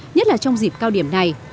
nhất là trong dịp cao điểm này